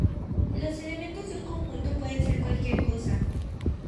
Los elementos de un conjunto pueden ser cualquier cosa.